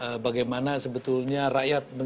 terus bagaimana sebetulnya rakyat menginginkan satu kekuasaan